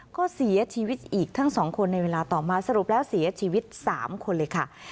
ก็เสียชีวิตอีกทั้ง๒คนในเวลาต่อมาสรุปแล้วเสียชีวิต๓คนเลยค่ะ